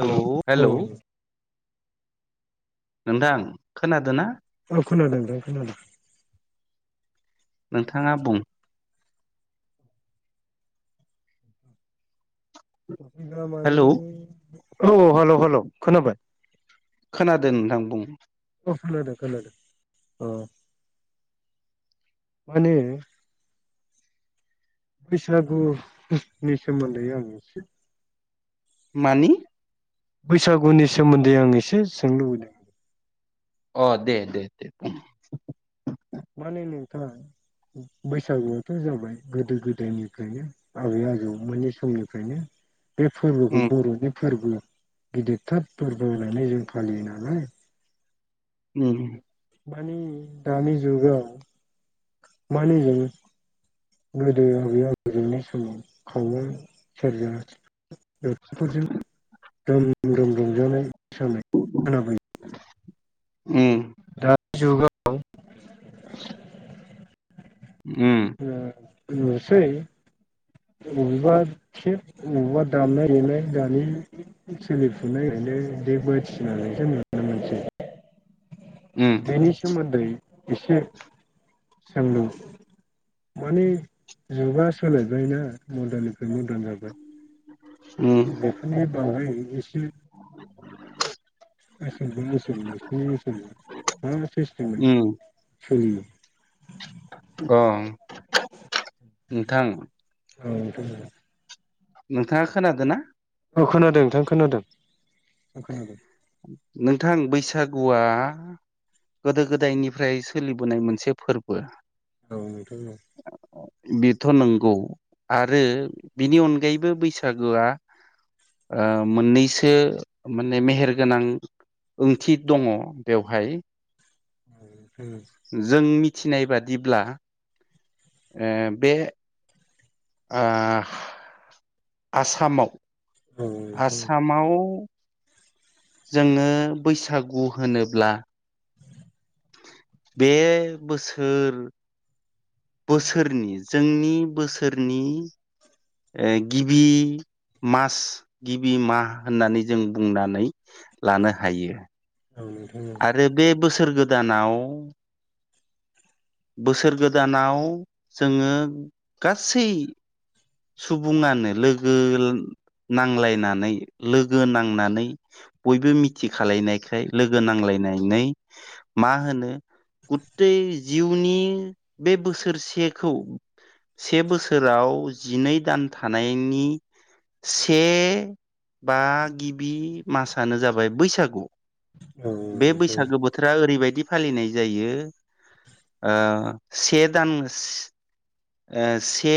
Hello औ hello नोंथां खोनादों ना। औ खोनादों नोंथां खोनादों। नोंथांङा बुं हेलौ [unintelligible] औ हेल' हेल' खोनाबाय। खोनादों नोंथां बुं। औ खोनादों खोनादों अ। मानि बैसागु नि सोमोन्दै आं एसे मानि। बैसागुनि सोमोन्दै आं एसे सोंनो लुबैदों। अ दे दे दे। [unintelligible] बैसागुआथ' जाबाय गोदो गोदायनिफ्रायनो आबै आजौ मोननि समनिफ्रायनो। बे फोरबोखौ उम बर'नि फोरबो। गिदिरथार फोरबो होनानै जों फालियो नालाय। उम। मानि दानि जुगाव मानि जोबो। गोदो हबेयाव हजोबनाय समाव खावो सेरजा [unintelligible] थ'फोरजों रोम रोम रंजानाय। समायाब [unintelligible] उम। जुगाव। [unintelligible] उम [unintelligible] बबेबा खेब बबेबा दामनाय देनाय दानि सोलिफुनाय। बिनो दे बथि होननानैसो नुनो मोनसै। उम बेनि सोमोन्दै एसे। सोंदों माने जुगा सोलायबायना मदनि। दान जाबाय उम बेफोरनि बागायै एसे। [unintelligible] उम सोलियो। अ नोंथां। [unintelligible] नोंथाङा खोनादों ना। अ खोनादों नोंथां खोनादों खोनादों। नोंथां बैसागुआ। गोदो गोदायनिफ्राय सोलिबोनाय मोनसे फोरबो। औ नोंथां औ। बिथ'नांगौ आरो। बिनि अनगायैबो बैसागोआ ओ मोननैसो माने मेहेर गोनां ओंथि दङ बेवहाय जों मिथिनाय बादिब्ला ओ बे ओ आसामाव औ नोंथां औ नोंथां आसामाव जोङो बैसागु होनोब्ला बे बोसोर बोसोरनि जोंनि बोसोरनि ओ गिबि मास गिबि मा होननानै जों बुंनानै लानो हायो औ आरो बे बोसोर गोदानाव बोसोर गोदानाव जोङो गासै सुबुङानो लोगो। नांलायनानै लोगो नांनानै बयबो मिथि खालायनायखाय लोगो नांलाय। नानै मा‌ मोनो गथे। जिउनि बे बोसोरसेखौ से बोसोराव। जिनै दान थानायनि। से बा गिबि मासानो जाबाय बैसागु। औ बे नोंथां बैसागो बोथोरा ओरैबायदि। दि फालिनाय जायो ओ से दान ओ से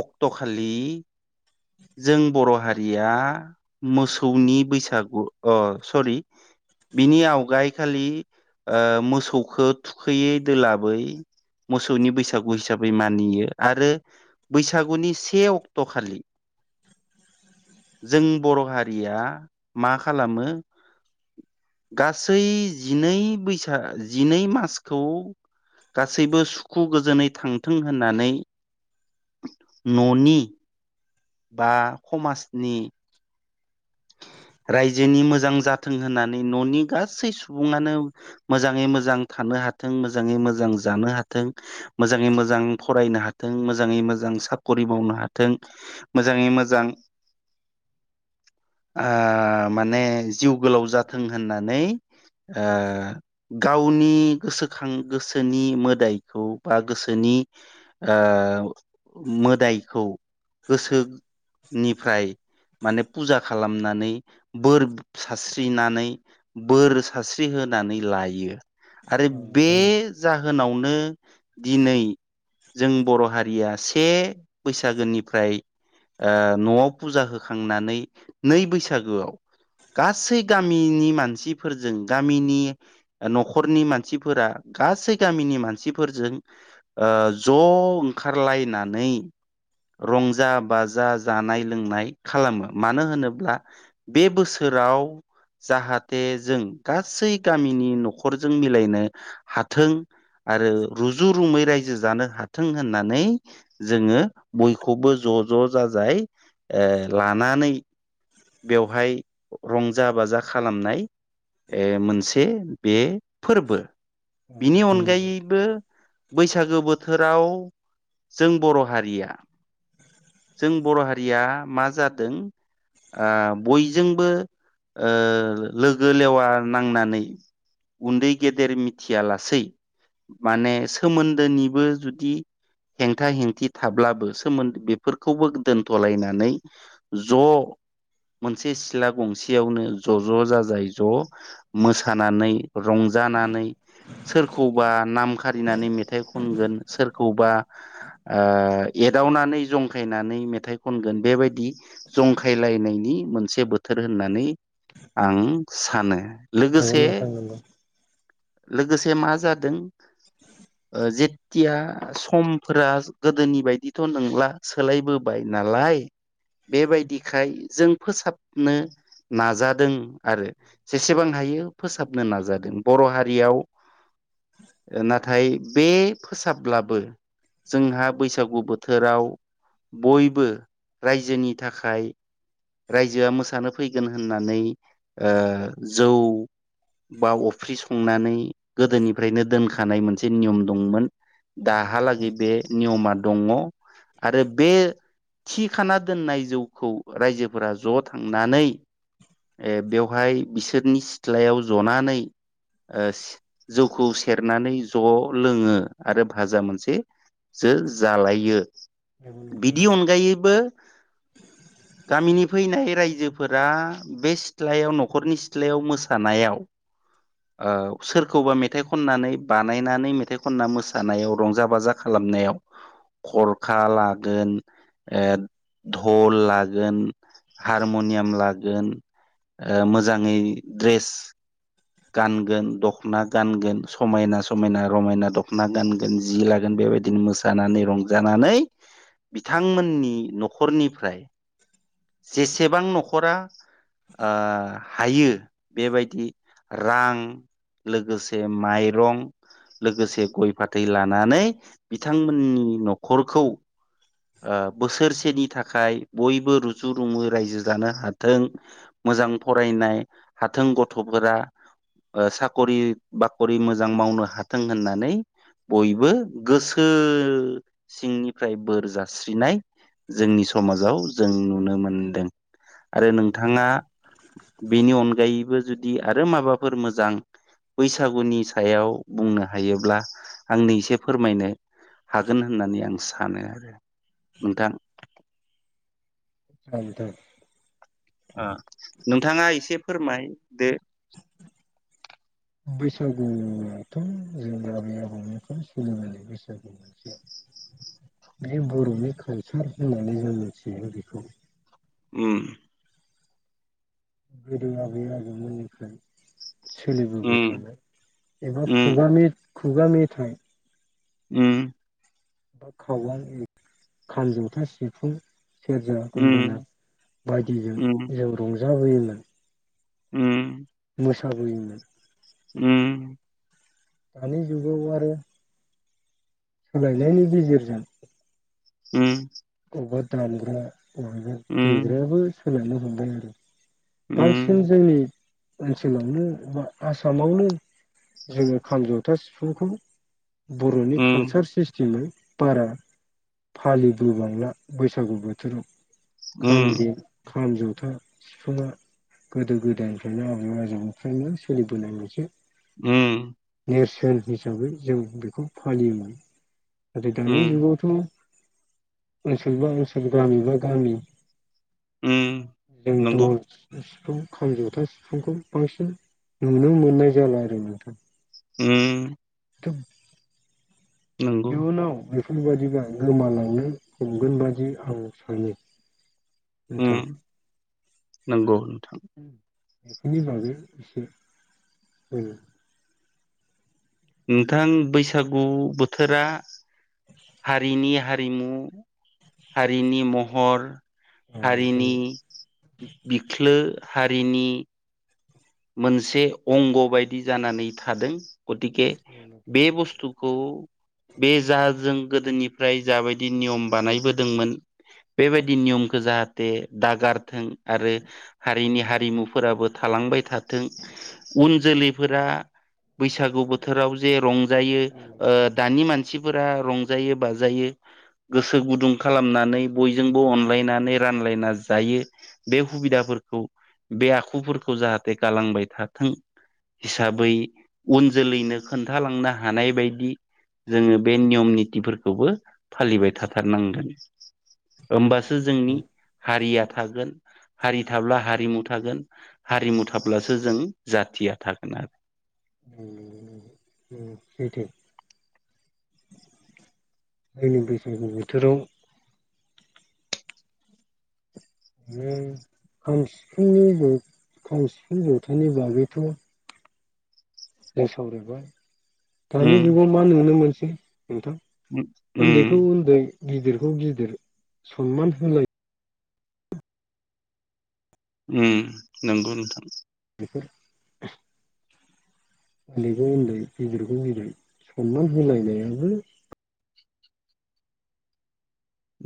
अक्ट' खालि जों बर' हारिया मोसौनि बैसागु अ सरि बिनि आवगाय खालि ओ मोसौखौ थुखैयै दोलाबै मोसौनि बैसागु हिसाबै मानियो आरो बैसागुनि से अक्ट' खालि जों बर' हारिया मा खालामो गासै जिनै बैसाग जिनै मासखौ गासैबो सुखु गोजोनै थांथों होननानै न'नि बा समाजनि [unintelligible] रायजोनि मोजां जाथों होननानै न'नि गासै सुबङानो मोजाङै मोजां था- नों हाथों मोजांयै मोजां जानो हाथों मोजांयै मोजां फरायनो हाथों मोजांयै मोजां साख्रि मावनो हाथों मोजाङै मोजां [unintelligible] ओ माने जिउ गोलाव जाथों होननानै ओ गावनि गोसोखां गोसोनि मोदायखौ बा गोसोनि ओ मोदायखौ गोसोनिफ्राय माने फुजा खालामनानै बोर सारस्रिनानै बोर सारस्रि होनानै लायो आरो बे जाहोनावनो दिनै जों बर' हारिया से बैसागोनिफ्राय ओ न'आव फुजा होखांनानै नै बैसागोआव गासै गामिनि मानसिफोरजों गामिनि न'खरनि मानसिफोरा गासै गामिनि मानसिफोरजों ओ ज' ओंखारलायनानै रंजा बाजा जानाय लोंनाय खालामो मानो होनो- ब्ला बे बोसोराव जाहाथे जों गासै गामिनि न'खरजों मिलायनो हाथों आरो रुजु रुमै रायजो जानो हाथों होननानै जोंङो बयखौबो ज' ज' जाजाय ओ लानानै बेवहाय रंजा बाजा खालामनाय ए मोनसे बे फोरबो औ बिनि नोंथां नंगौ अनगायैबो बैसागो बोथोराव जों बर' हारिया जों बर' हारिया मा जादों ओ बयजोंबो ओ लोगो लेवा नांनानै उन्दै गेदेर मिथियालासै माने सोमोन्दोनिबो जुदि हेंथा हेंथि थाब्लाबो सोमोन्दो बेफोरखौबो दोनथ'लायनानै ज' [inaudible] मोनसे सिला गंसेयावनो ज' ज' जाजाय ज' मोसानानै रंजानानै नानै सोरखौबा नाम खारिनानै मेथाइ खनगोन सोरखौबा ओ एदावनानै जंखायनानै मेथाइ खनगोन बेबायदि जंखा खायलायनायनि मोनसे बोथोर होननानै आं सानो । नंगौ नोंथां नंगौ लोगोसे मा जादों जेथिया समफोरा गोदोनि बायदिथ' नंला सोलायबोबाय नालाय बेबायदि खाय जों फोसाबनो नाजादों आरो जेसेबां हायो फोसाबनो नाजादों बर' हारियाव [inaudible] नाथाय बे फोसाब्लाबो जोंहा बैसागु बोथोराव बयबो रायजोनि थाखाय रायजोआ मोसानो फैगोन होननानै ओ जौ बा अफ्रि संनानै गोदोनिफ्रायनो दोनखानाय मोनसे नियम दंमोन । दाहालागै बे नियमा दङ आरो बे थि खाना दोननाय जौखौ रायजोफोरा ज' थांनानै बेवहाय बिसोरनि सिथ्लायाव जनानै ओ से जौखौ सेरनानै ज' लोङो आरो भाजा मोनसे जो जालायो बिदि अनगायैबो गामिनि फैनाय रायजोफोरा बे सिथ्लायाव न'खरनि सिथ्लायाव मोसानायाव [inaudible] ओ सोरखौबा मेथाइ खननानै बानायनानै मेथाइ खनना मोसानायाव रंजा बाजा खालाम नायाव खरखा लागोन ओ धल लागोन । हारमुनियाम लागोन ओ मोजाङै ड्रेस गानगोन दख'ना गानगोन समायना समायना रमायना दख'ना गानगोन जि लागोन बे बेबायदिनो मोसानानै रंजानानै बिथांमोननि न'खरनिफ्राय जेसेबां न'खरा ओ हायो बेबायदि रां लोगोसे माइरं लोगोसे गय फाथै लानानै बिथांमोननि नख'रखौ ओ बोसोरसेनि थाखाय बयबो रुजु रुमु रायजो जानो हाथों मोजां फरायनाय हाथों गथ'फोरा साखरि बाखरि मोजां मावनो हाथों होननानै बयबो गोसो सिंनिफ्राय बोर जास्रिनाय जोंनि समाजाव जों नुनो मोनदों । आरो नंगौ नोंथांङा नोंथां बेनि अनगायैबो जुदि आ रो माबाफोर मोजां बैसागुनि सायाव बुंनो हायोब्ला आंनो एसे फोरमायनो हागोन होननानै आं सानो आरो नोंथां उम नोंथां नोंथाङा एसे फोरमायदो। बैसागुआथ' जोंनि आबै आबौनिफ्राय सोलिनाय बैसागु मोनसे बे बर'नि कालचार होननानै जों मिथियो बेखौ उम गोदो आबै आबैमोननिफ्राय सोलिबोबाय उम थानाय एबा उम खुगा खुगा मेथाइ उम बा खावां खाम जथा सिफुं सेरजा गंगोना उम बायदिजों उम जों रंजाबोयोमोन। उम बैसागुनिमोन उम दानि जुगावबो आरो सोलायनायनि गेजेरजों उम बबेवबा दानग्रा बबबा उम देग्रायाबो सोलायनो मोनबाय आरो बांसिन उम जोंनि ओनसोलावनो बा आसामावनो जोङो खाम जथा सिफुंखौ बर'नि उम कालचार सिस्टेमै बारा फालिबोबांला बैसागु बोथोराव उम खामनि खाम जथा सिफुङा गोदो गोदायनिफ्रायनो आबै आजौनिफ्रायनो सोलिबोनाय मोनसो उम नेरसोन हिसाबै जों बेखौ फालियोमोन नाथाय दानि उम जुगावथ' ओनसोल बा ओनसोल गामि बा गामि उम जों नंगौ दल सिफुं खाम जथा सिफुंखौ बांसिन नुनो मोननाय जाला आरो नोंथां उम नंगौ इउनाव बेफोरबाददिबा गोमालांनो हमगोन बादि आं सानो नोंथां उम नंगौ बेफोरनि बागै एसे हो नोंथां बैसागु बोथोरा हारिनि हारि रिमु हारिनि महर नोंथां। हारिनि बिख्लो हारिनि मोनसे अंग' बायदि जानानै थादों गथिखे औ नोंथां। औ नोंथां। बे बुस्थुखौ बे जाजों गोदोनिफ्राय जाबायदि नियम बानायबोदोंमोन बेबायदि नियमखौ जाहाथे दागारथों आरो हारिनि हारिमुफोराबो थाल लांबाय थाथों उन जोलैफोरा बैसागु बोथोराव जे रंजायो औ नोंथां। औ नोंथां। दानि मानसि फोर रंजायो बाजायो गोसो गुदुं खालामनानै बयजोंबो अनलायनानै रान सालायना जायो बे सुबिदाफोरखौ बे आखुफोरखौ जाहाथे दे गालांबाय थाथों हिसाबै उन जोलैनो खोन्थालांनो हानाय बायदि जोङो बे नियम नितिफोरखौबो फालिबाय थाथारनांगोन। औ होमबासो जोंनि नोंथां। हारिया थागोन हारि थाब्ला हारिमु थागोन हारिमु थाब्लासो जों जाथिया थागोन आरो [unintelligible] जोंनि बैसागु बोथोराव। [unintelligible] जों सावरायबाय दानि उम जुगाव मा नुनो मोनसै नोंथां उम उन्दैखौ उन्दै गिदिरखौ गिदिर सनमान होलाय उम नंगौ नोंथां [inaudible] उन्दैखौ उन्दै गिदिरखौ गिदिर सनमान होलायनायाबो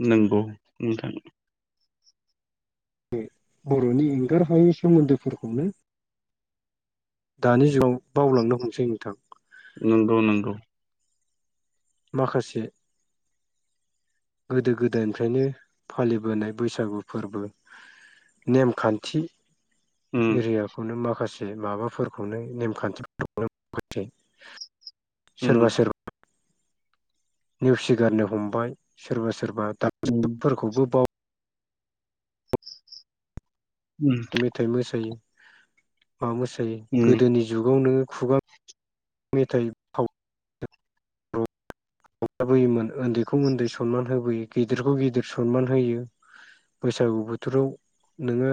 नंगौ नोंथां बे बर'नि एंगार हायै सोमोन्दोफोरखौनो दानि जुगाव बावलांनो हमसै नोंथां। नोंंगौ नंगौ माखासे गोदो गोदायनिफ्रायनो फालिबोनाय बैसागु फोरबो नेमखान्थि उम एरियाखौनो उम माखासे [inaudible] [unintelligible] मेथाइ मोसायो मा मोसायो गोदोनि जुगाव नोङो खुगा [unintelligible] [unintelligible] बैसागु बोथोराव नोङो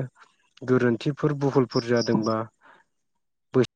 गोरोन्थिफोर बुहुल फुर जादोंबा बै